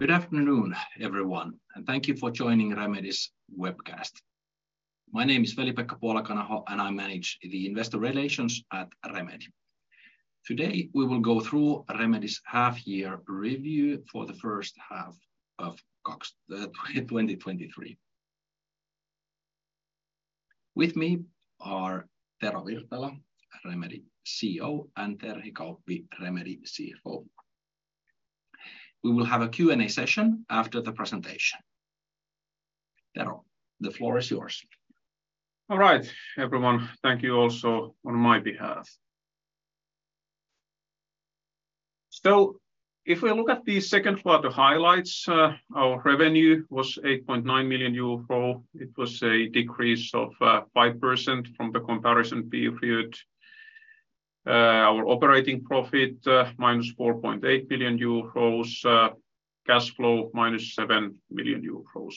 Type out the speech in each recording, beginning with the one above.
Good afternoon, everyone, and thank you for joining Remedy's Webcast. My name is Veli-Pekka Puolakanaho, and I manage the Investor Relations at Remedy. Today, we will go through Remedy's half year review for the H2 of 2023. With me are Tero Virtala, Remedy CEO, and Terhi Kauppi, Remedy CFO. We will have a Q&A session after the presentation. Tero, the floor is yours. All right, everyone. Thank you also on my behalf. If we look at the second quarter highlights, our revenue was 8.9 million euro. It was a decrease of 5% from the comparison period. Our operating profit, -4.8 million euros, cash flow, -7 million euros.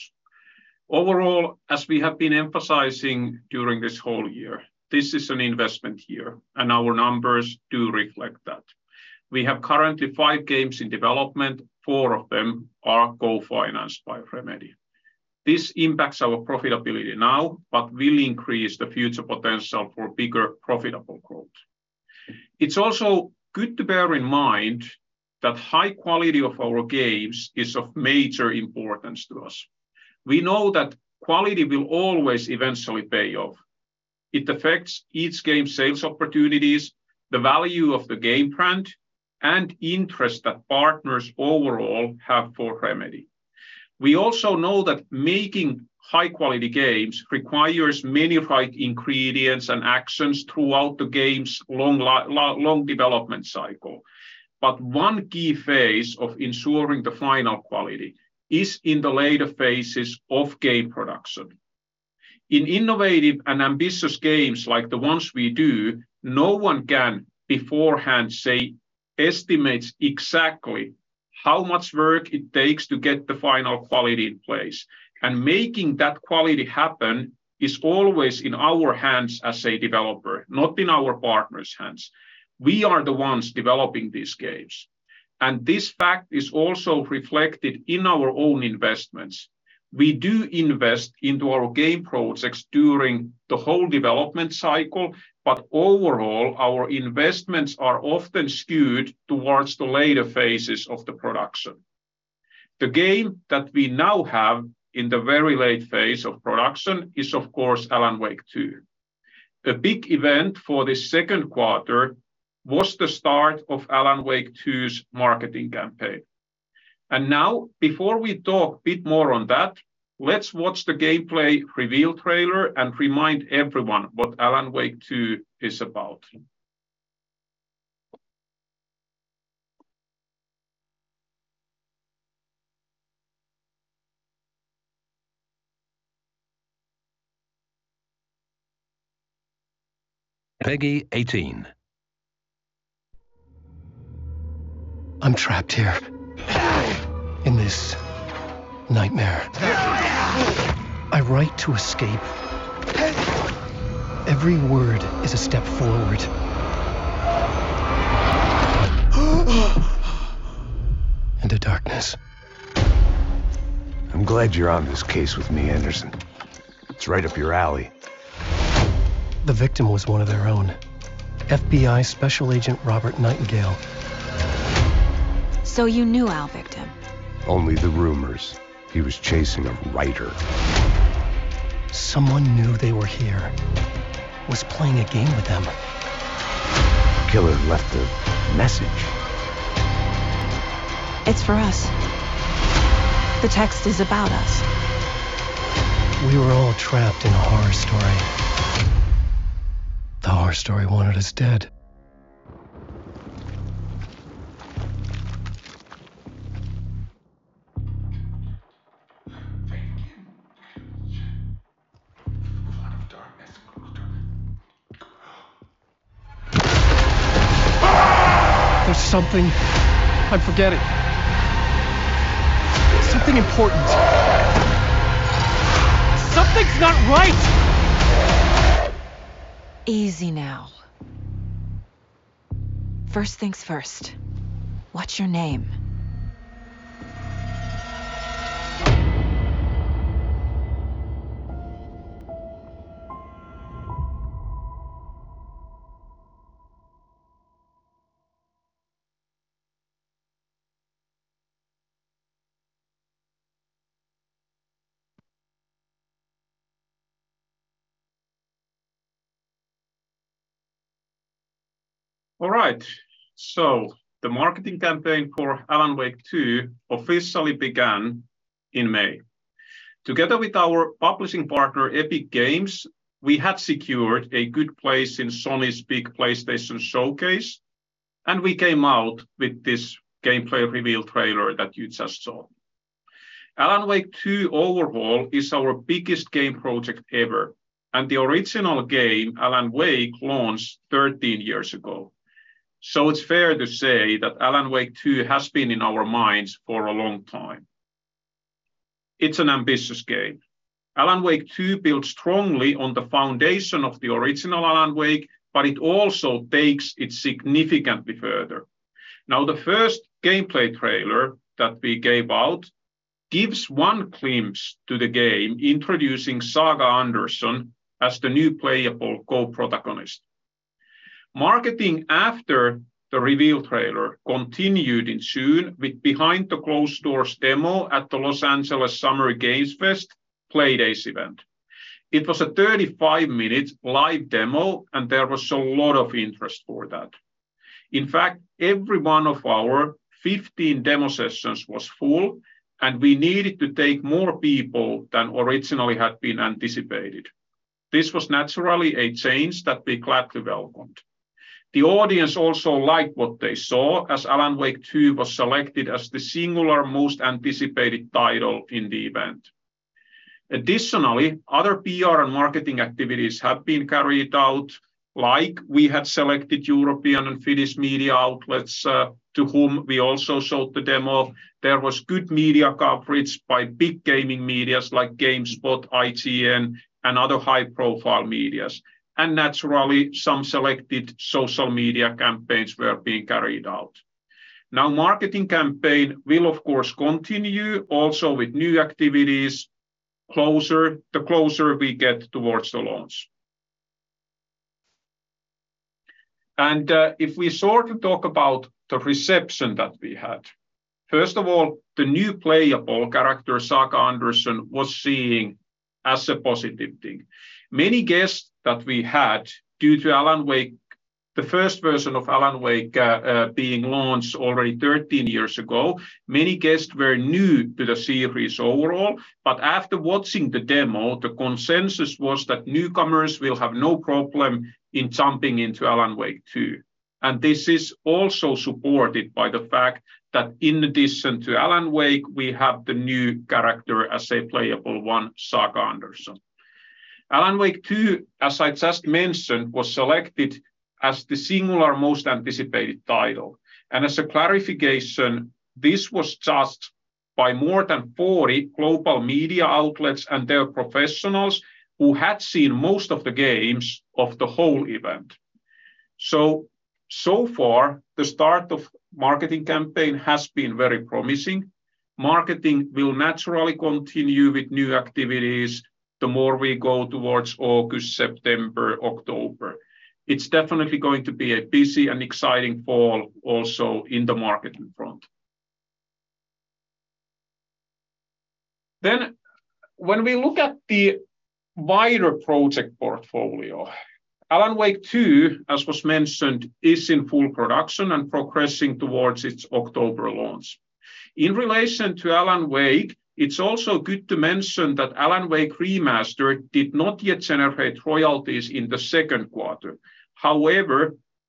Overall, as we have been emphasizing during this whole year, this is an investment year, and our numbers do reflect that. We have currently 5 games in development. 4 of them are co-financed by Remedy. This impacts our profitability now, but will increase the future potential for bigger, profitable growth. It's also good to bear in mind that high quality of our games is of major importance to us. We know that quality will always eventually pay off. It affects each game's sales opportunities, the value of the game brand, and interest that partners overall have for Remedy. We also know that making high quality games requires many right ingredients and actions throughout the game's long development cycle. One key phase of ensuring the final quality is in the later phases of game production. In innovative and ambitious games like the ones we do, no one can beforehand say, estimate exactly how much work it takes to get the final quality in place, and making that quality happen is always in our hands as a developer, not in our partner's hands. We are the ones developing these games. This fact is also reflected in our own investments. We do invest into our game projects during the whole development cycle. Overall, our investments are often skewed towards the later phases of the production. The game that we now have in the very late phase of production is, of course, Alan Wake 2. A big event for this second quarter was the start of Alan Wake 2's marketing campaign. Now, before we talk a bit more on that, let's watch the gameplay reveal trailer and remind everyone what Alan Wake 2 is about. PEGI 18. I'm trapped here, in this nightmare. I write to escape. Every word is a step forward... Into darkness. I'm glad you're on this case with me, Anderson. It's right up your alley. The victim was one of their own, FBI Special Agent Robert Nightingale. You knew our victim? Only the rumors. He was chasing a writer. Someone knew they were here, was playing a game with them. Killer left a message. It's for us. The text is about us. We were all trapped in a horror story. The horror story wanted us dead. Fade again. Cloud of darkness. Cloud of darkness. There's something... I'm forgetting. Something important. Something's not right! Easy now. First things first, what's your name? All right, the marketing campaign for Alan Wake 2 officially began in May. Together with our publishing partner, Epic Games, we had secured a good place in Sony's big PlayStation Showcase, we came out with this gameplay reveal trailer that you just saw. Alan Wake 2, overall, is our biggest game project ever, the original game, Alan Wake, launched 13 years ago. It's fair to say that Alan Wake 2 has been in our minds for a long time. It's an ambitious game. Alan Wake 2 builds strongly on the foundation of the original Alan Wake, it also takes it significantly further. Now, the first gameplay trailer that we gave out gives one glimpse to the game, introducing Saga Anderson as the new playable co-protagonist. Marketing after the reveal trailer continued in June with behind the closed doors demo at the Los Angeles Summer Game Fest Play Days event. It was a 35-minute live demo, and there was a lot of interest for that. In fact, every one of our 15 demo sessions was full, and we needed to take more people than originally had been anticipated. This was naturally a change that we gladly welcomed. The audience also liked what they saw, as Alan Wake 2 was selected as the singular Most Anticipated Title in the event. Additionally, other PR and marketing activities have been carried out, like we had selected European and Finnish media outlets, to whom we also showed the demo. There was good media coverage by big gaming medias like GameSpot, IGN, and other high-profile medias, and naturally, some selected social media campaigns were being carried out. Now, marketing campaign will of course continue also with new activities closer, the closer we get towards the launch. If we sort of talk about the reception that we had, first of all, the new playable character, Saga Anderson, was seen as a positive thing. Many guests that we had, due to Alan Wake, the first version of Alan Wake, being launched already 13 years ago, many guests were new to the series overall. After watching the demo, the consensus was that newcomers will have no problem in jumping into Alan Wake 2, and this is also supported by the fact that in addition to Alan Wake, we have the new character as a playable one, Saga Anderson. Alan Wake 2, as I just mentioned, was selected as the singular Most Anticipated Title, as a clarification, this was just by more than 40 global media outlets and their professionals who had seen most of the games of the whole event. So far, the start of marketing campaign has been very promising. Marketing will naturally continue with new activities the more we go towards August, September, October. It's definitely going to be a busy and exciting fall also in the marketing front. When we look at the wider project portfolio, Alan Wake 2, as was mentioned, is in full production and progressing towards its October launch. In relation to Alan Wake, it's also good to mention that Alan Wake Remastered did not yet generate royalties in the second quarter.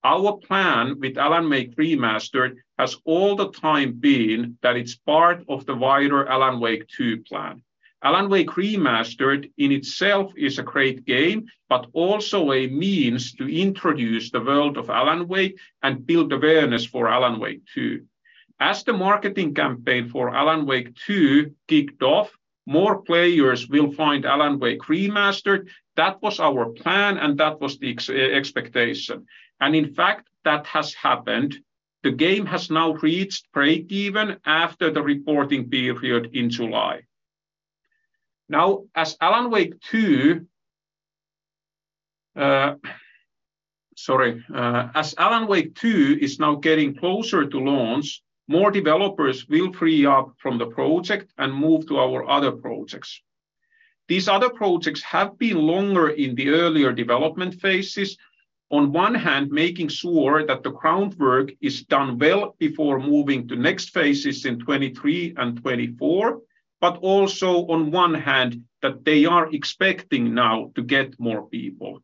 Our plan with Alan Wake Remastered has all the time been that it's part of the wider Alan Wake 2 plan. Alan Wake Remastered in itself is a great game, but also a means to introduce the world of Alan Wake and build awareness for Alan Wake 2. As the marketing campaign for Alan Wake 2 kicked off, more players will find Alan Wake Remastered. That was our plan, and that was the expectation, and in fact, that has happened. The game has now reached break-even after the reporting period in July. As Alan Wake 2 is now getting closer to launch, more developers will free up from the project and move to our other projects. These other projects have been longer in the earlier development phases. On one hand, making sure that the groundwork is done well before moving to next phases in 2023 and 2024, but also on one hand, that they are expecting now to get more people.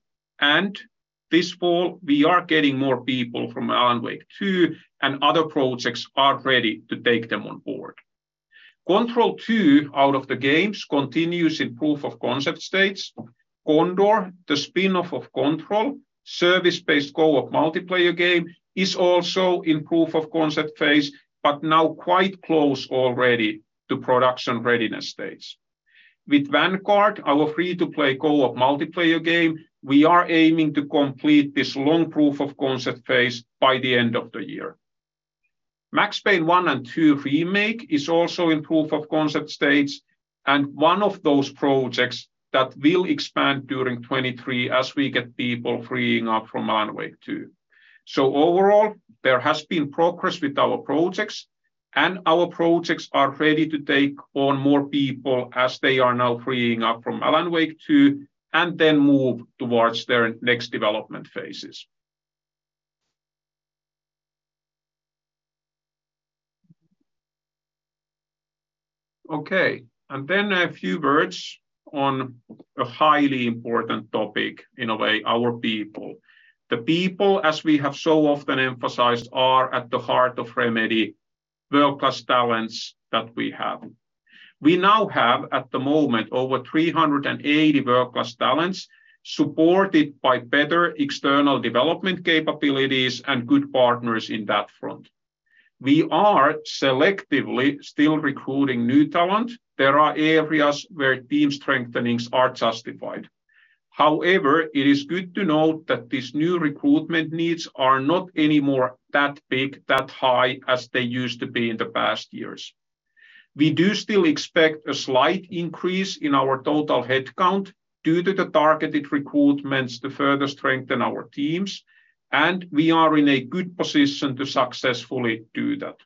This fall, we are getting more people from Alan Wake 2, and other projects are ready to take them on board. Control 2, out of the games, continues in proof of concept stage. Codename Condor, the spin-off of Control, service-based co-op multiplayer game, is also in proof of concept phase, but now quite close already to production readiness stage. With Codename Vanguard, our free-to-play co-op multiplayer game, we are aiming to complete this long proof of concept phase by the end of the year. Max Payne 1 and 2 Remake is also in proof of concept stage, and one of those projects that will expand during 2023 as we get people freeing up from Alan Wake 2. Overall, there has been progress with our projects, and our projects are ready to take on more people as they are now freeing up from Alan Wake 2, and then move towards their next development phases. Okay, then a few words on a highly important topic, in a way, our people. The people, as we have so often emphasized, are at the heart of Remedy, world-class talents that we have. We now have, at the moment, over 380 world-class talents, supported by better external development capabilities and good partners in that front. We are selectively still recruiting new talent. There are areas where team strengthenings are justified. However, it is good to note that these new recruitment needs are not anymore that big, that high as they used to be in the past years. We do still expect a slight increase in our total headcount due to the targeted recruitments to further strengthen our teams, and we are in a good position to successfully do that.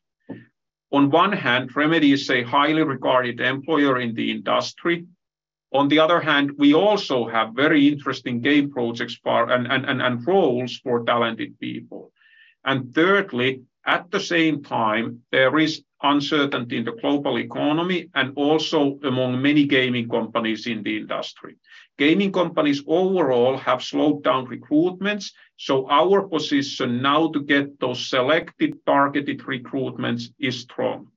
On one hand, Remedy is a highly regarded employer in the industry. On the other hand, we also have very interesting game projects for and roles for talented people. Thirdly, at the same time, there is uncertainty in the global economy and also among many gaming companies in the industry. Our position now to get those selected targeted recruitments is strong.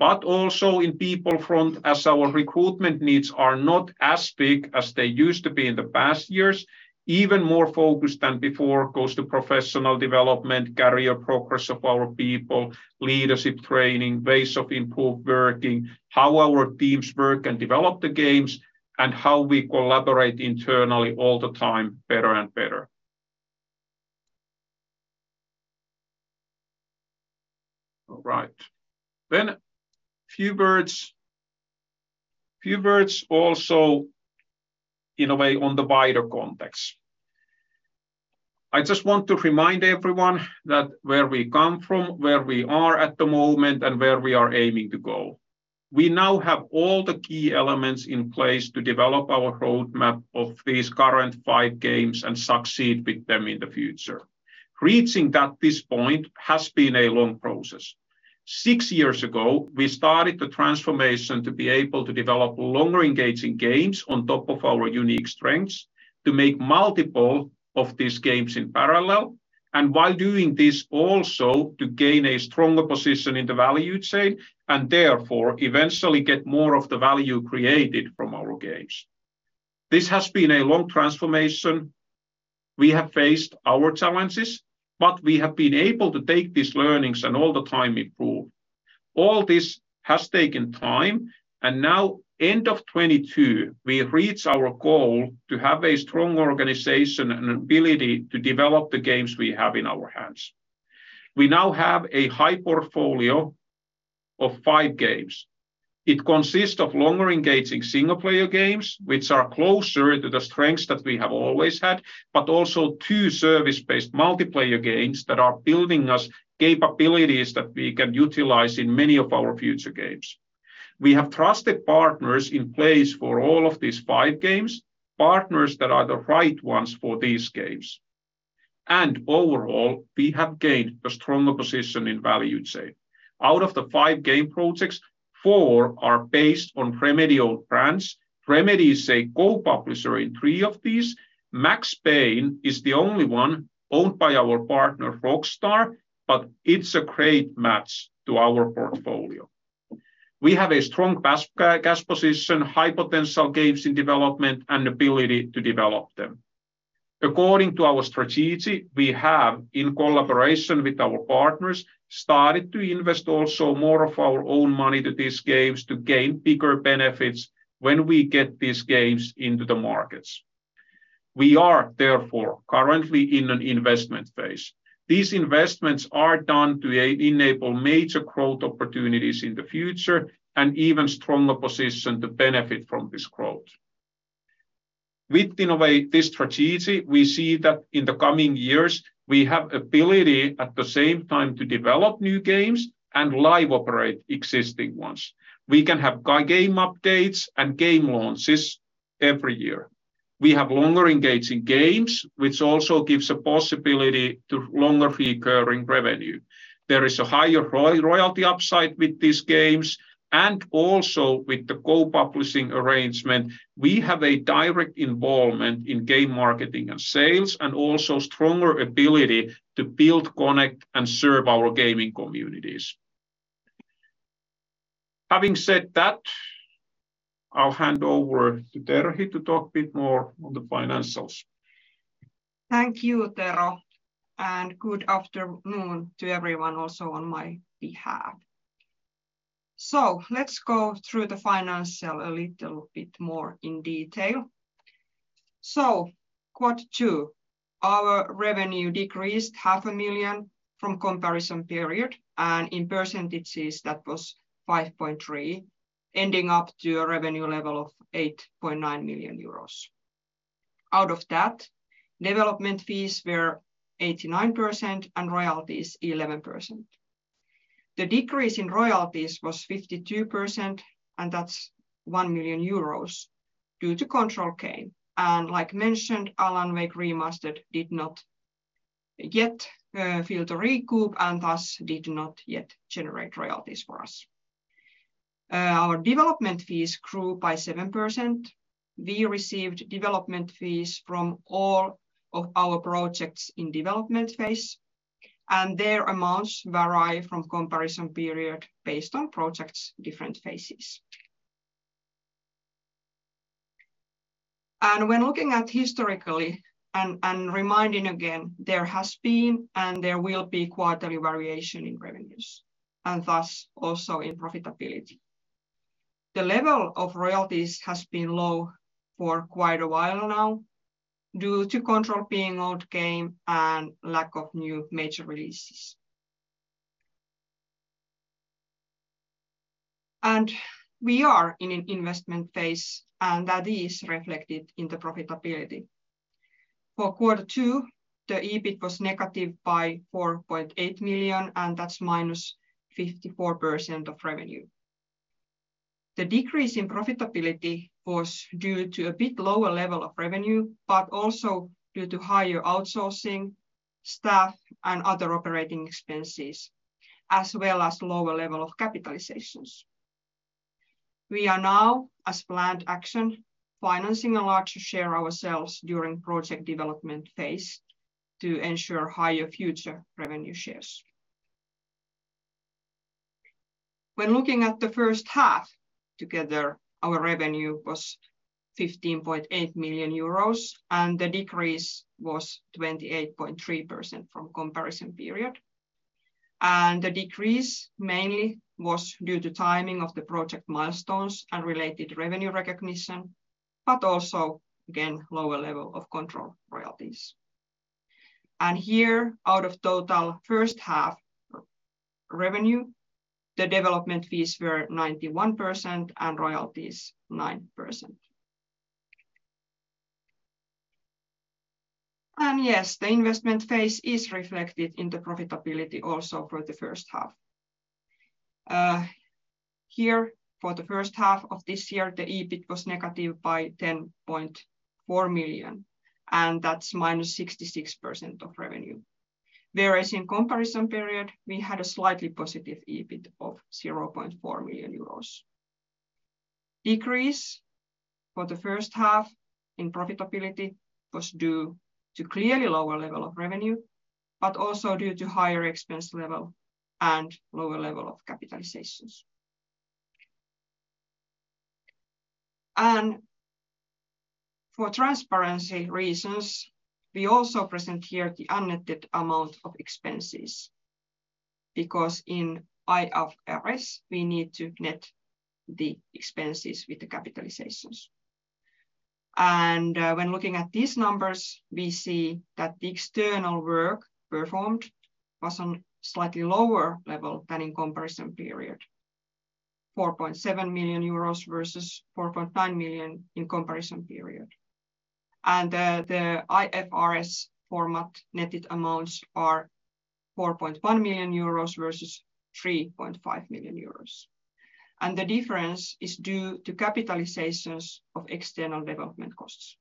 Also in people front, as our recruitment needs are not as big as they used to be in the past years, even more focus than before goes to professional development, career progress of our people, leadership training, ways of improved working, how our teams work and develop the games, and how we collaborate internally all the time, better and better. All right. Few words also, in a way, on the wider context. I just want to remind everyone that where we come from, where we are at the moment, and where we are aiming to go. We now have all the key elements in place to develop our roadmap of these current five games and succeed with them in the future. Reaching that this point has been a long process. 6 years ago, we started the transformation to be able to develop longer engaging games on top of our unique strengths, to make multiple of these games in parallel, and while doing this, also to gain a stronger position in the value chain and therefore eventually get more of the value created from our games. This has been a long transformation. We have faced our challenges, but we have been able to take these learnings and all the time improve. All this has taken time, and now end of 2022, we reach our goal to have a strong organization and ability to develop the games we have in our hands. We now have a high portfolio of 5 games. It consists of longer engaging single-player games, which are closer to the strengths that we have always had, but also two service-based multiplayer games that are building us capabilities that we can utilize in many of our future games. We have trusted partners in place for all of these five games, partners that are the right ones for these games. Overall, we have gained a stronger position in value chain. Out of the five game projects, four are based on Remedy brands. Remedy is a co-publisher in three of these. Max Payne is the only one owned by our partner, Rockstar, but it's a great match to our portfolio. We have a strong cash position, high-potential games in development, and ability to develop them. According to our strategy, we have, in collaboration with our partners, started to invest also more of our own money to these games to gain bigger benefits when we get these games into the markets. We are therefore currently in an investment phase. These investments are done to enable major growth opportunities in the future and even stronger position to benefit from this growth. In a way, this strategy, we see that in the coming years, we have ability at the same time to develop new games and live operate existing ones. We can have game updates and game launches every year. We have longer engaging games, which also gives a possibility to longer reoccurring revenue. There is a higher royalty upside with these games. Also with the co-publishing arrangement, we have a direct involvement in game marketing and sales. Also stronger ability to build, connect, and serve our gaming communities. Having said that, I'll hand over to Terhi to talk a bit more on the financials. Thank you, Tero, and good afternoon to everyone also on my behalf. Let's go through the financial a little bit more in detail. Q2, our revenue decreased 500,000 from comparison period, and in percentages, that was 5.3%, ending up to a revenue level of 8.9 million euros. Out of that, development fees were 89% and royalties 11%. The decrease in royalties was 52%, and that's 1 million euros due to Control game. Like mentioned, Alan Wake Remastered did not yet fail to recoup and thus did not yet generate royalties for us. Our development fees grew by 7%. We received development fees from all of our projects in development phase, and their amounts vary from comparison period based on projects' different phases.... When looking at historically and reminding again, there has been and there will be quarterly variation in revenues, and thus also in profitability. The level of royalties has been low for quite a while now, due to Control being old game and lack of new major releases. We are in an investment phase, and that is reflected in the profitability. For quarter two, the EBIT was negative by 4.8 million, and that's -54% of revenue. The decrease in profitability was due to a bit lower level of revenue, but also due to higher outsourcing, staff, and other operating expenses, as well as lower level of capitalizations. We are now, as planned action, financing a larger share ourselves during project development phase to ensure higher future revenue shares. When looking at the first half together, our revenue was 15.8 million euros, and the decrease was 28.3% from comparison period. The decrease mainly was due to timing of the project milestones and related revenue recognition, but also, again, lower level of Control royalties. Here, out of total first half revenue, the development fees were 91% and royalties 9%. Yes, the investment phase is reflected in the profitability also for the first half. Here, for the first half of this year, the EBIT was negative by 10.4 million, and that's minus 66% of revenue. Whereas in comparison period, we had a slightly positive EBIT of 0.4 million euros. Decrease for the first half in profitability was due to clearly lower level of revenue, but also due to higher expense level and lower level of Capitalizations. For transparency reasons, we also present here the unnetted amount of expenses, because in IFRS, we need to net the expenses with the Capitalizations. When looking at these numbers, we see that the external work performed was on slightly lower level than in comparison period, 4.7 million euros versus 4.9 million in comparison period. The IFRS format netted amounts are 4.1 million euros versus 3.5 million euros, and the difference is due to Capitalizations of external development costs.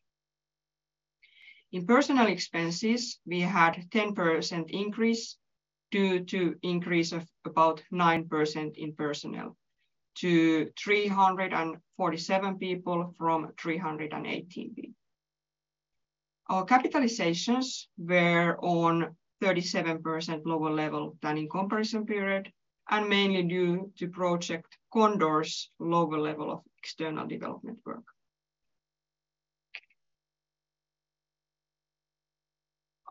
In personnel expenses, we had 10% increase due to increase of about 9% in personnel, to 347 people from 318 people. Capitalizations were on 37% lower level than in comparison period, mainly due to project Condor's lower level of external development work.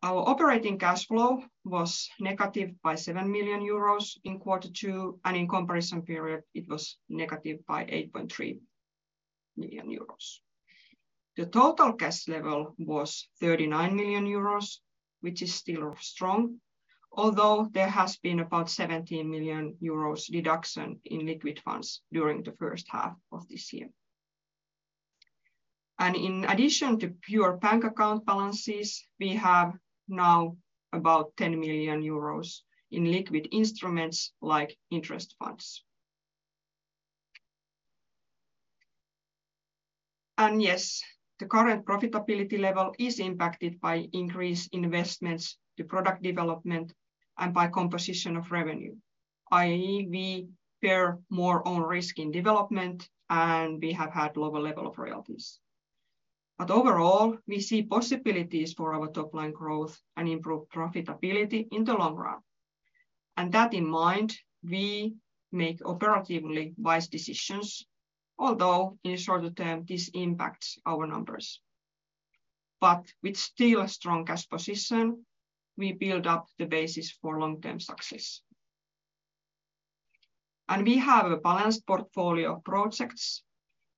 Our operating cash flow was negative by 7 million euros in quarter two, in comparison period, it was negative by 8.3 million euros. The total cash level was 39 million euros, which is still strong, although there has been about 17 million euros deduction in liquid funds during the first half of this year. In addition to pure bank account balances, we have now about 10 million euros in liquid instruments like interest funds. Yes, the current profitability level is impacted by increased investments to product development and by composition of revenue, i.e., we bear more own risk in development, and we have had lower level of Royalties. Overall, we see possibilities for our top-line growth and improved profitability in the long run. That in mind, we make operatively wise decisions, although in the shorter term, this impacts our numbers. With still a strong cash position, we build up the basis for long-term success. We have a balanced portfolio of projects.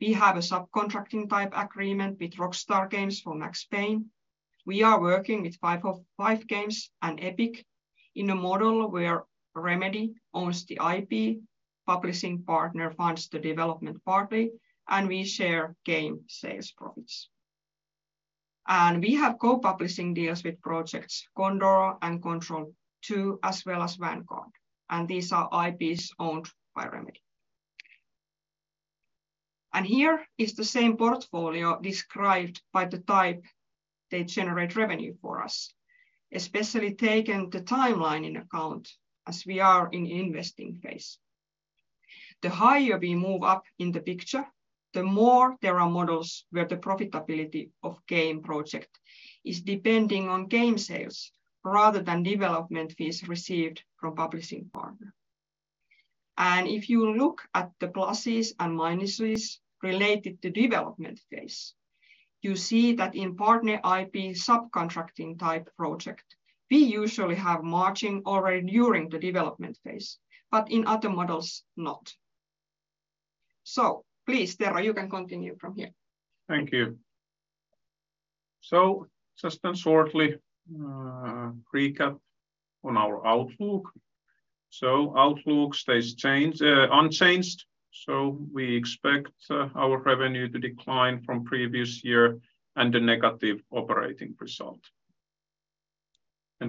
We have a subcontracting type agreement with Rockstar Games for Max Payne. We are working with 505 Games and Epic in a model where Remedy owns the IP, publishing partner funds the development partly, and we share game sales profits. We have co-publishing deals with projects Condor and Control 2, as well as Vanguard, and these are IPs owned by Remedy. Here is the same portfolio described by the type they generate revenue for us, especially taking the timeline in account as we are in investing phase. The higher we move up in the picture, the more there are models where the profitability of game project is depending on game sales rather than development fees received from publishing partner. If you look at the pluses and minuses related to development phase, you see that in partner IP subcontracting type project, we usually have margin already during the development phase, but in other models, not. Please, Tero, you can continue from here. Thank you. Just then shortly, recap on our outlook. Outlook stays changed, unchanged. We expect our revenue to decline from previous year and a negative operating result.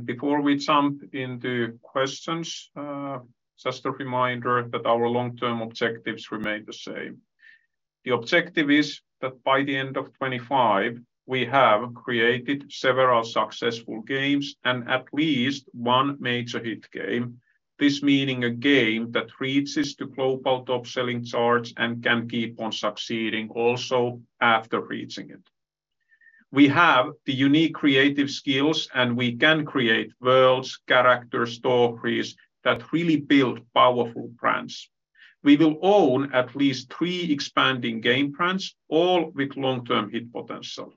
Before we jump into questions, just a reminder that our long-term objectives remain the same. The objective is that by the end of 25, we have created several successful games and at least one major hit game. This meaning a game that reaches the global top-selling charts and can keep on succeeding also after reaching it. We have the unique creative skills, and we can create worlds, characters, stories, that really build powerful brands. We will own at least three expanding game brands, all with long-term hit potential.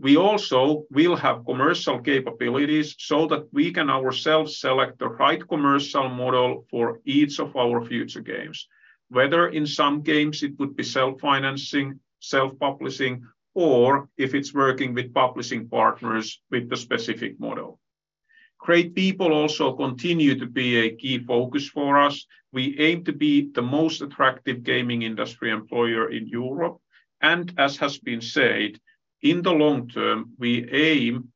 We also will have commercial capabilities so that we can ourselves select the right commercial model for each of our future games. Whether in some games it would be self-financing, self-publishing, or if it's working with publishing partners with the specific model. Great people also continue to be a key focus for us. We aim to be the most attractive gaming industry employer in Europe, and as has been said, in the long term, we aim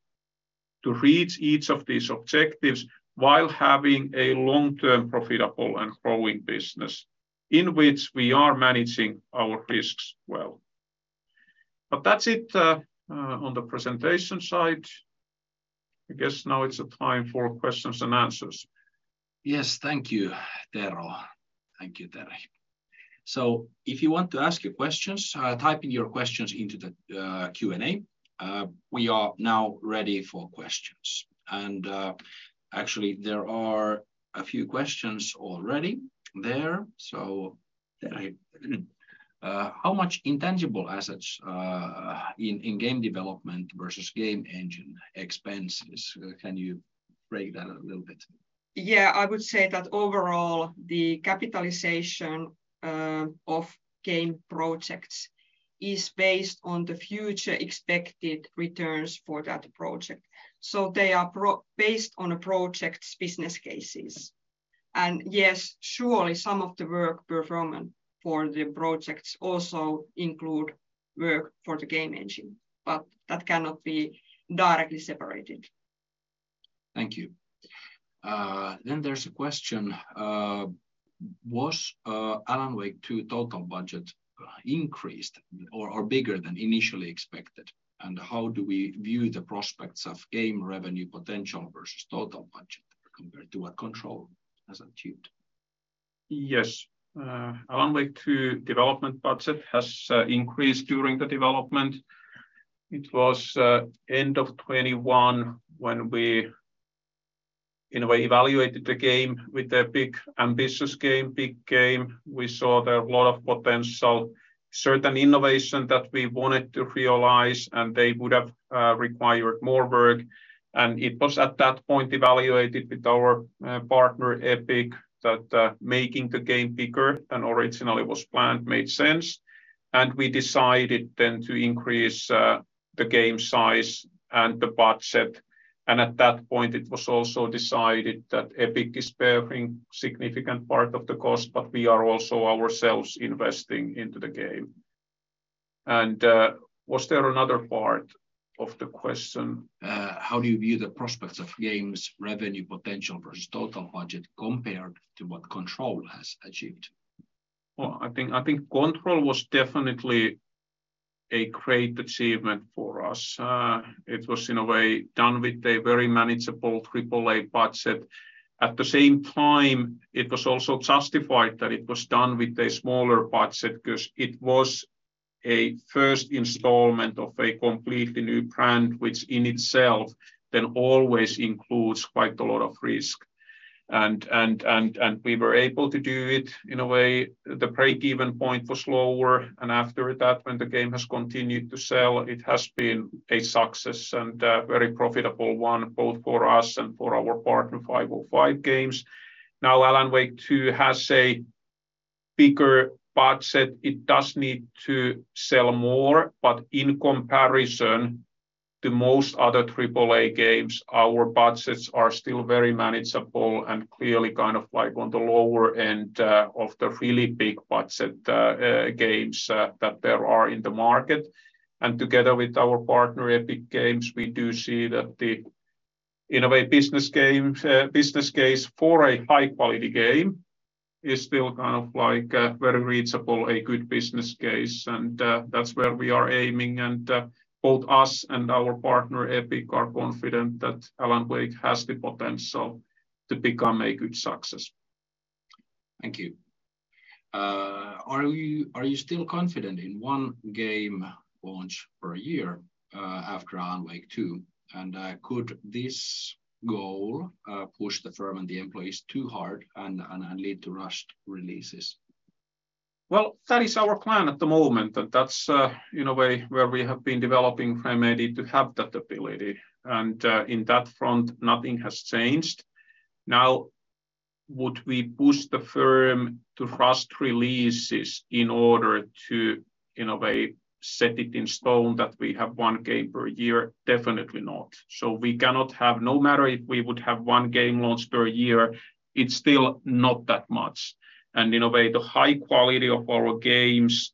to reach each of these objectives while having a long-term, profitable, and growing business in which we are managing our risks well. That's it on the presentation side. I guess now it's a time for questions and answers. Yes. Thank you, Tero. Thank you, Terhi. If you want to ask your questions, type in your questions into the Q&A. We are now ready for questions. Actually, there are a few questions already there. Terhi, how much intangible assets in game development versus game engine expenses? Can you break that a little bit? Yeah, I would say that overall, the capitalization of game projects is based on the future expected returns for that project. They are based on a project's business cases. Yes, surely, some of the work performed for the projects also include work for the game engine, but that cannot be directly separated. Thank you. Then there's a question, was Alan Wake 2 total budget increased or, or bigger than initially expected? How do we view the prospects of game revenue potential versus total budget compared to what Control has achieved? Yes. Alan Wake 2 development budget has increased during the development. It was end of 2021 when we, in a way, evaluated the game with a big, ambitious game, big game. We saw there a lot of potential, certain innovation that we wanted to realize, and they would have required more work. It was at that point evaluated with our partner, Epic, that making the game bigger than originally was planned, made sense, and we decided then to increase the game size and the budget. At that point, it was also decided that Epic is bearing significant part of the cost, but we are also ourselves investing into the game. Was there another part of the question? How do you view the prospects of game's revenue potential versus total budget compared to what Control has achieved? Well, I think, I think Control was definitely a great achievement for us. It was, in a way, done with a very manageable Triple-A budget. At the same time, it was also justified that it was done with a smaller budget because it was a first installment of a completely new brand, which in itself then always includes quite a lot of risk. We were able to do it in a way, the break-even point was lower, and after that, when the game has continued to sell, it has been a success and a very profitable one, both for us and for our partner, 505 Games. Now, Alan Wake 2 has a bigger budget. It does need to sell more, in comparison to most other AAA games, our budgets are still very manageable and clearly kind of like on the lower end of the really big budget games that there are in the market. Together with our partner, Epic Games, we do see that the, in a way, business game, business case for a high-quality game is still kind of like a very reachable, a good business case. That's where we are aiming. Both us and our partner, Epic, are confident that Alan Wake has the potential to become a good success. Thank you. Are you, are you still confident in one game launch per year after Alan Wake 2? Could this goal push the firm and the employees too hard and, and, and lead to rushed releases? Well, that is our plan at the moment, that that's, in a way, where we have been developing Remedy to have that ability, and in that front, nothing has changed. Would we push the firm to rushed releases in order to, in a way, set it in stone that we have one game per year? Definitely not. No matter if we would have one game launch per year, it's still not that much, and in a way, the high quality of our games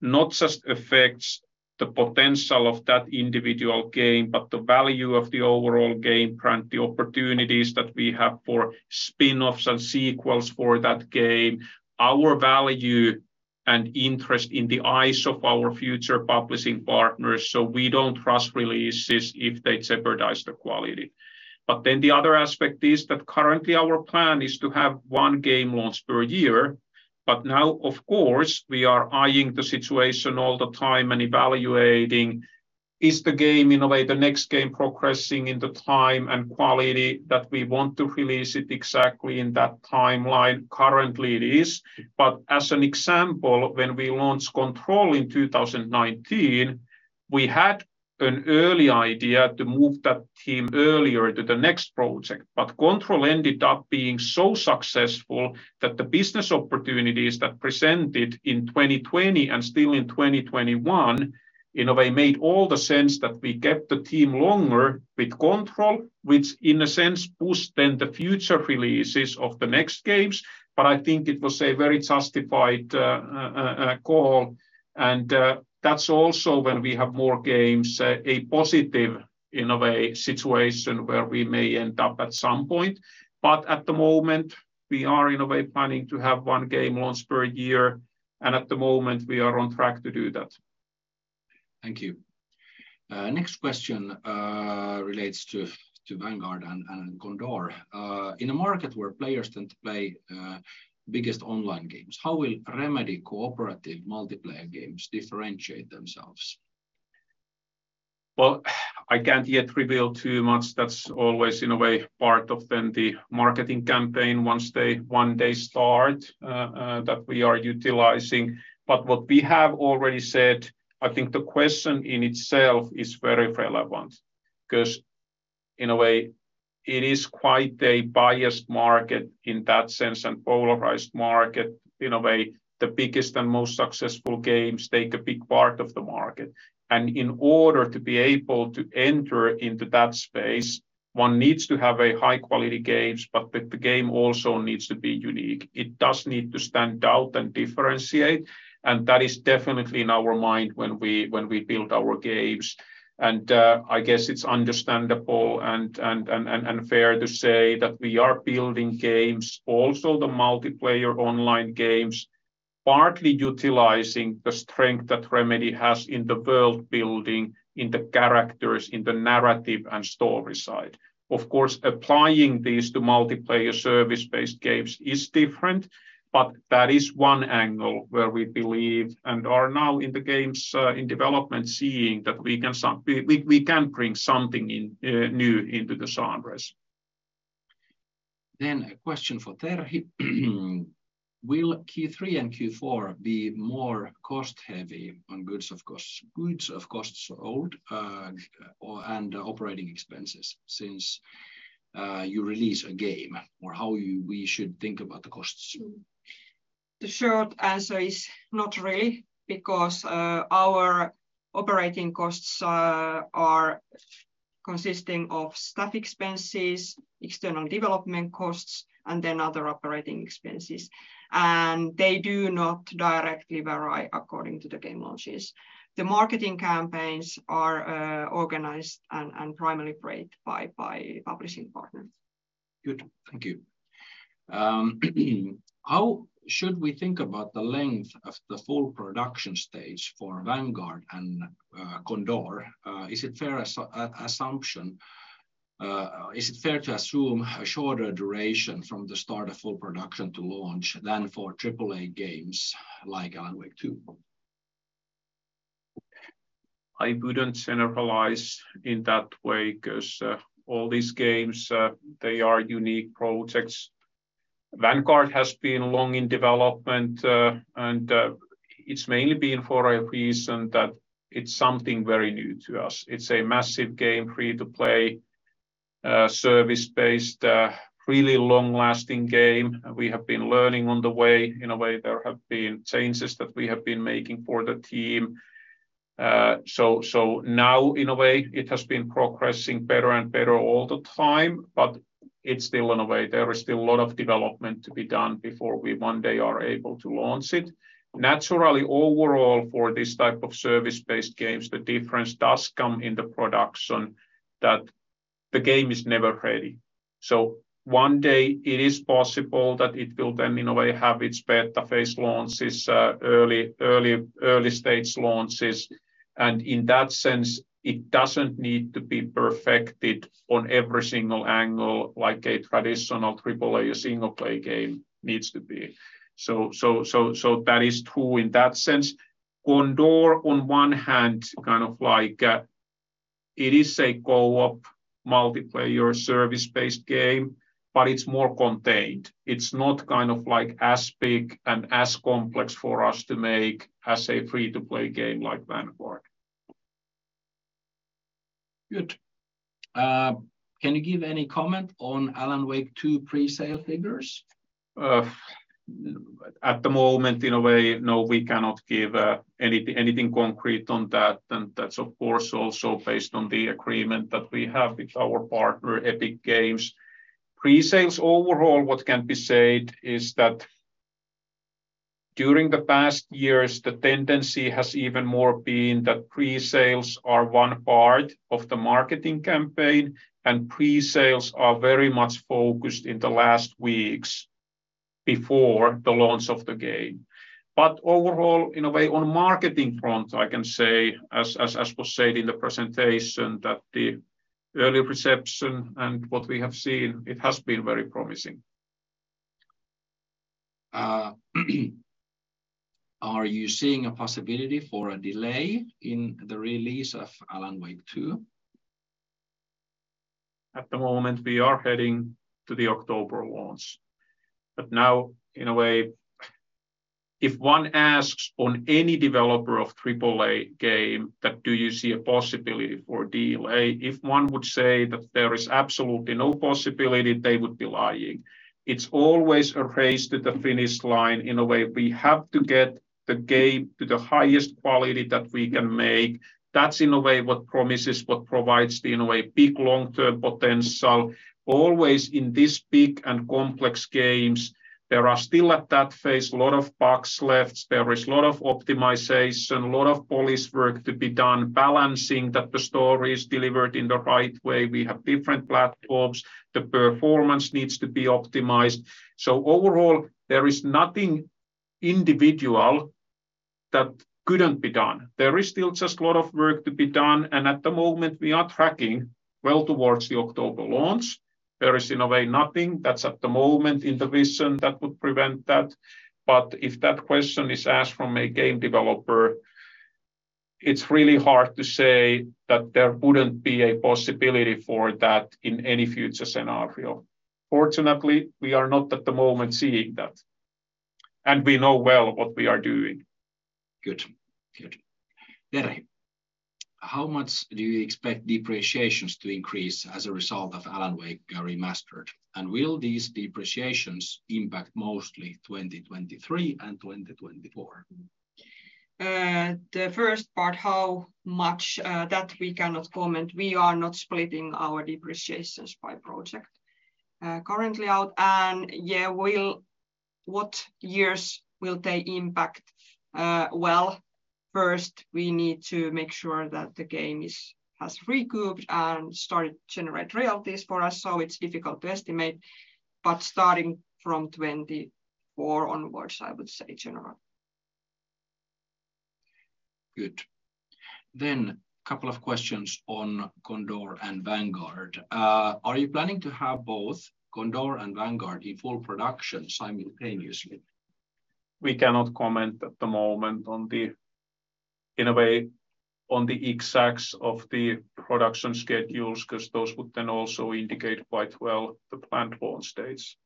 not just affects the potential of that individual game, but the value of the overall game plan, the opportunities that we have for spin-offs and sequels for that game, our value and interest in the eyes of our future publishing partners, so we don't rush releases if they jeopardize the quality. Then the other aspect is that currently our plan is to have one game launch per year. Now, of course, we are eyeing the situation all the time and evaluating. Is the game, in a way, the next game progressing in the time and quality that we want to release it exactly in that timeline? Currently it is, but as an example, when we launched Control in 2019, we had an early idea to move that team earlier to the next project. Control ended up being so successful that the business opportunities that presented in 2020 and still in 2021, in a way, made all the sense that we kept the team longer with Control, which, in a sense, pushed then the future releases of the next games, but I think it was a very justified call. That's also when we have more games, a positive, in a way, situation where we may end up at some point, but at the moment, we are in a way planning to have 1 game launch per year, and at the moment, we are on track to do that. Thank you. Next question relates to Vanguard and Condor. In a market where players tend to play biggest online games, how will Remedy cooperative multiplayer games differentiate themselves? Well, I can't yet reveal too much. That's always, in a way, part of then the marketing campaign, once they when they start, that we are utilizing. What we have already said, I think the question in itself is very relevant, 'cause in a way, it is quite a biased market in that sense, and polarized market, in a way. The biggest and most successful games take a big part of the market, and in order to be able to enter into that space, one needs to have a high quality games, but the game also needs to be unique. It does need to stand out and differentiate, and that is definitely in our mind when we build our games. I guess it's understandable and, and, and, and fair to say that we are building games, also the multiplayer online games, partly utilizing the strength that Remedy has in the world-building, in the characters, in the narrative and story side. Of course, applying these to multiplayer service-based games is different, but that is one angle where we believe and are now in the games in development, seeing that we can bring something in new into the genres. A question for Terhi. Will Q3 and Q4 be more cost-heavy on goods, of course, goods of costs sold, or, and operating expenses, since you release a game, or how you-- we should think about the costs? The short answer is not really, because our operating costs are consisting of staff expenses, external development costs, and then other operating expenses, and they do not directly vary according to the game launches. The marketing campaigns are organized and primarily paid by, by publishing partners. Good. Thank you. How should we think about the length of the full production stage for Vanguard and Condor? Is it fair as assumption, is it fair to assume a shorter duration from the start of full production to launch than for Triple-A games like Alan Wake 2? I wouldn't generalize in that way, 'cause all these games, they are unique projects. Vanguard has been long in development, and it's mainly been for a reason, that it's something very new to us. It's a massive game, Free-to-play, Service-based, really long-lasting game. We have been learning on the way. In a way, there have been changes that we have been making for the team. Now, in a way, it has been progressing better and better all the time, but it's still in a way, there is still a lot of development to be done before we one day are able to launch it. Naturally, overall, for this type of Service-based games, the difference does come in the production that the game is never ready. One day it is possible that it will then, in a way, have its beta phase launches, early, early, early stage launches. In that sense, it doesn't need to be perfected on every single angle like a traditional Triple-A, a single-player game needs to be. That is true in that sense. Condor, on one hand, kind of like, it is a co-op multiplayer service-based game, but it's more contained. It's not kind of like as big and as complex for us to make as a free-to-play game like Vanguard. Good. Can you give any comment on Alan Wake 2 pre-sale figures? At the moment, in a way, no, we cannot give anything, anything concrete on that. That's, of course, also based on the agreement that we have with our partner, Epic Games. Pre-sales overall, what can be said is that during the past years, the tendency has even more been that pre-sales are one part of the marketing campaign, and pre-sales are very much focused in the last weeks before the launch of the game. Overall, in a way, on marketing front, I can say, as, as, as was said in the presentation, that the early reception and what we have seen, it has been very promising. Are you seeing a possibility for a delay in the release of Alan Wake 2? At the moment, we are heading to the October launch. Now, in a way, if one asks on any developer of triple-A game that, "Do you see a possibility for delay?" If one would say that there is absolutely no possibility, they would be lying. It's always a race to the finish line, in a way. We have to get the game to the highest quality that we can make. That's in a way, what promises, what provides the, in a way, big long-term potential. Always in these big and complex games, there are still at that phase a lot of bugs left. There is a lot of optimization, a lot of polish work to be done, balancing that the story is delivered in the right way. We have different platforms. The performance needs to be optimized. Overall, there is nothing individual that couldn't be done. There is still just a lot of work to be done. At the moment we are tracking well towards the October launch. There is, in a way, nothing that's at the moment in the vision that would prevent that. If that question is asked from a game developer, it's really hard to say that there wouldn't be a possibility for that in any future scenario. Fortunately, we are not at the moment seeing that. We know well what we are doing. Good. Good. Terhi, how much do you expect depreciations to increase as a result of Alan Wake Remastered? Will these depreciations impact mostly 2023 and 2024? The first part, how much that we cannot comment. We are not splitting our depreciations by project currently out. Yeah. What years will they impact? Well, first we need to make sure that the game is, has recouped and started to generate royalties for us, so it's difficult to estimate, but starting from 2024 onwards, I would say generally. Good. Two questions on Condor and Vanguard. Are you planning to have both Condor and Vanguard in full production simultaneously? We cannot comment at the moment on the, in a way, on the exact of the production schedules, because those would then also indicate quite well the planned launch dates.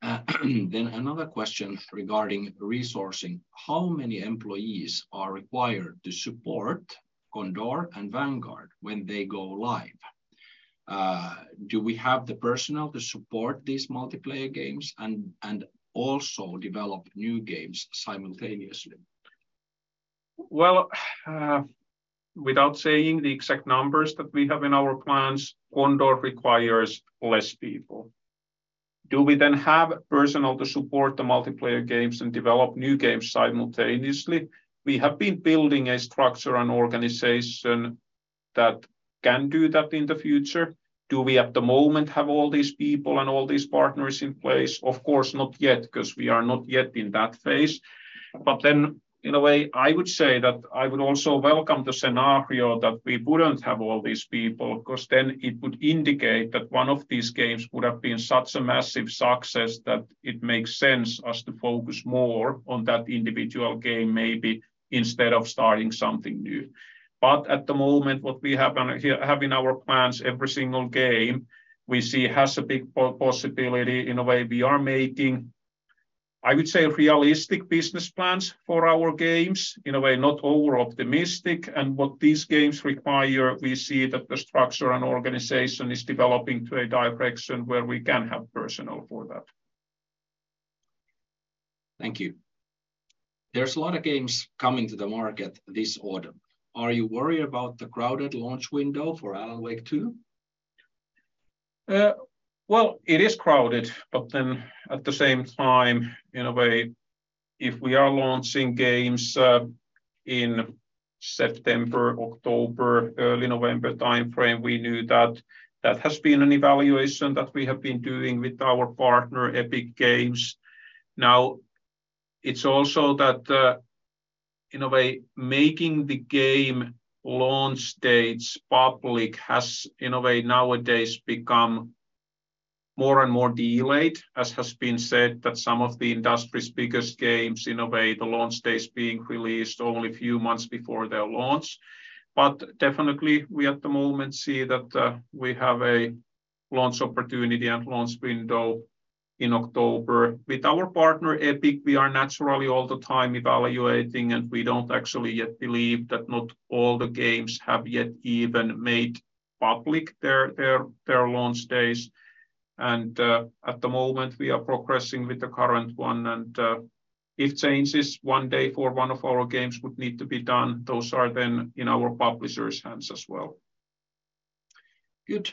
Another question regarding resourcing: How many employees are required to support Condor and Vanguard when they go live? Do we have the personnel to support these multiplayer games and also develop new games simultaneously? Well, without saying the exact numbers that we have in our plans, Condor requires less people. Do we then have personnel to support the multiplayer games and develop new games simultaneously? We have been building a structure and organization that can do that in the future. Do we, at the moment, have all these people and all these partners in place? Of course, not yet, because we are not yet in that phase. Then, in a way, I would say that I would also welcome the scenario that we wouldn't have all these people, because then it would indicate that one of these games would have been such a massive success that it makes sense as to focus more on that individual game, maybe instead of starting something new. At the moment, what we have have in our plans, every single game we see has a big possibility. In a way, we are making, I would say, realistic business plans for our games, in a way, not over-optimistic. What these games require, we see that the structure and organization is developing to a direction where we can have personnel for that. Thank you. There's a lot of games coming to the market this autumn. Are you worried about the crowded launch window for Alan Wake 2? Well, it is crowded, but then at the same time, in a way, if we are launching games, in September, October, early November timeframe, we knew that that has been an evaluation that we have been doing with our partner, Epic Games. It's also that, in a way, making the game launch dates public has, in a way, nowadays become more and more delayed. As has been said, that some of the industry's biggest games, in a way, the launch dates being released only a few months before their launch. Definitely, we at the moment see that, we have a launch opportunity and launch window in October. With our partner, Epic, we are naturally all the time evaluating, and we don't actually yet believe that not all the games have yet even made public their, their, their launch dates. At the moment, we are progressing with the current one, and if changes one day for one of our games would need to be done, those are then in our publisher's hands as well. Good.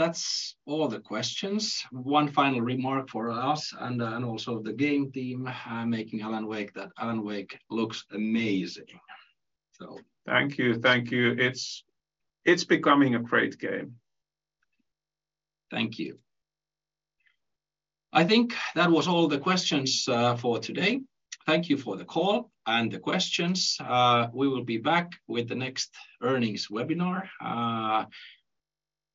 That's all the questions. One final remark for us and, and also the game team, making Alan Wake, that Alan Wake looks amazing. Thank you. Thank you. It's, it's becoming a great game. Thank you. I think that was all the questions for today. Thank you for the call and the questions. We will be back with the next earnings webinar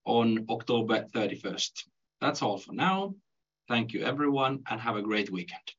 on October 31st. That's all for now. Thank you, everyone, and have a great weekend.